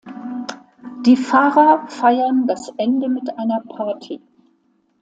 Die Fahrer feiern das Ende mit einer Party.